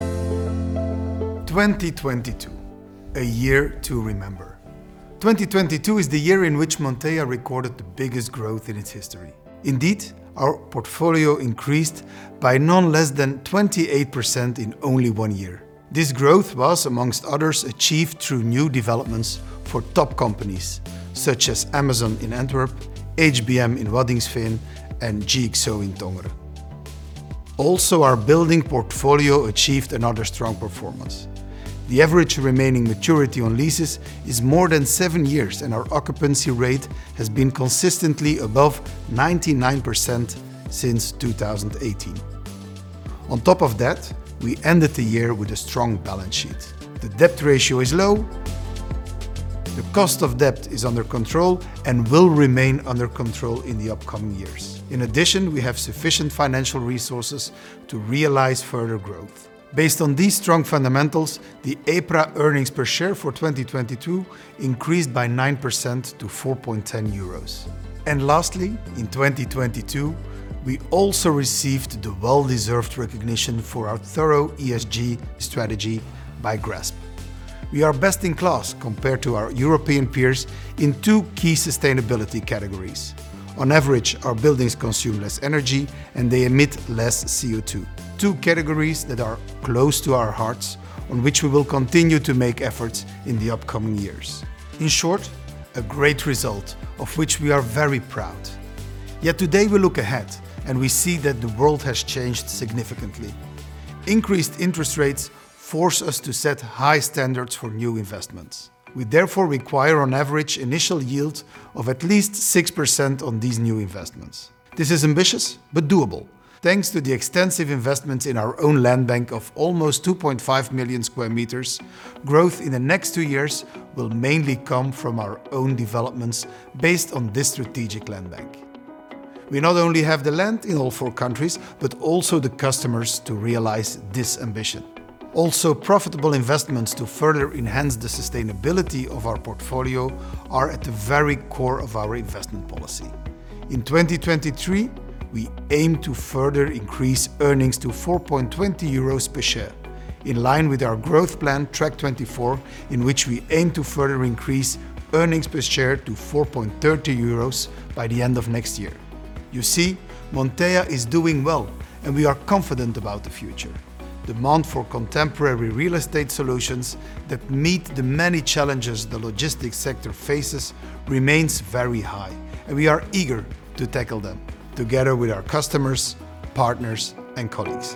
2022, a year to remember. 2022 is the year in which Montea recorded the biggest growth in its history. Indeed, our portfolio increased by none less than 28% in only one year. This growth was, amongst others, achieved through new developments for top companies such as Amazon in Antwerp, HBM in Waddinxveen, and GXO in Tongeren. Also, our building portfolio achieved another strong performance. The average remaining maturity on leases is more than 7 years, and our occupancy rate has been consistently above 99% since 2018. On top of that, we ended the year with a strong balance sheet. The debt ratio is low, the cost of debt is under control, and will remain under control in the upcoming years. In addition, we have sufficient financial resources to realize further growth. Based on these strong fundamentals, the EPRA earnings per share for 2022 increased by 9% to 4.10 euros. Lastly, in 2022, we also received the well-deserved recognition for our thorough ESG strategy by GRESB. We are best-in-class compared to our European peers in two key sustainability categories. On average, our buildings consume less energy and they emit less CO2, two categories that are close to our hearts on which we will continue to make efforts in the upcoming years. In short, a great result, of which we are very proud. Today we look ahead, and we see that the world has changed significantly. Increased interest rates force us to set high standards for new investments. We therefore require on average initial yields of at least 6% on these new investments. This is ambitious but doable. Thanks to the extensive investments in our own land bank of almost 2.5 million square meters, growth in the next 2 years will mainly come from our own developments based on this strategic land bank. We not only have the land in all 4 countries, but also the customers to realize this ambition. Also, profitable investments to further enhance the sustainability of our portfolio are at the very core of our investment policy. In 2023, we aim to further increase earnings to 4.20 euros per share, in line with our growth plan, Track 24, in which we aim to further increase earnings per share to 4.30 euros by the end of next year. You see, Montea is doing well, and we are confident about the future. Demand for contemporary real estate solutions that meet the many challenges the logistics sector faces remains very high, and we are eager to tackle them together with our customers, partners, and colleagues.